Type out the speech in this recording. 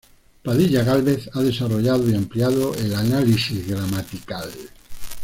Padilla Gálvez ha desarrollado y ampliado el análisis gramatical.